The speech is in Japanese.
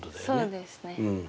そうですね。